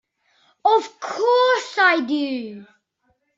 Of course I do!